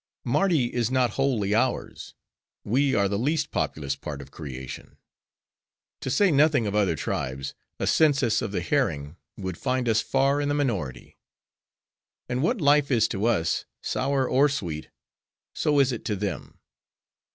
"'Mardi is not wholly ours. We are the least populous part of creation. To say nothing of other tribes, a census of the herring would find us far in the minority. And what life is to us,—sour or sweet,—so is it to them.